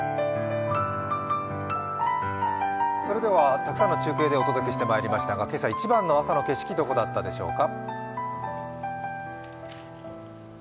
たくさんの中継でお届けしてまいりましたが、今朝一番の朝の景色、どこだったでしょうか？